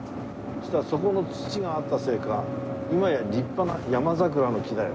そしたらそこの土が合ったせいか今や立派な山桜の木だよ。